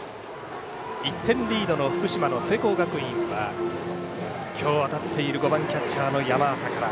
１点リードの福島の聖光学院は今日当たっている５番キャッチャーの山浅から。